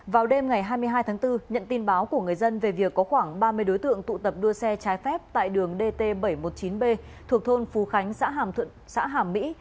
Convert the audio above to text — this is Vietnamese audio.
vào đêm ngày hai mươi hai tháng bốn nhận tin báo của người dân về việc có khoảng ba mươi đối tượng tụ tập đua xe trái phép tại đường dt bảy trăm một mươi chín b thuộc thôn phú khánh xã hàm thuận xã hàm mỹ